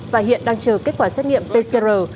và hiện đang chờ kết quả xét nghiệm pcr